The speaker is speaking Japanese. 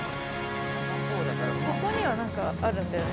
ここには何かあるんだよね。